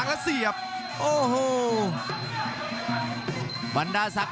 รับทราบบรรดาศักดิ์